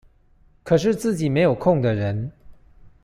可是自己沒有空的人